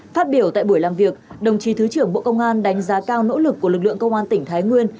phát biểu tại buổi làm việc đồng chí thứ trưởng bộ công an đánh giá cao nỗ lực của lực lượng công an tỉnh thái nguyên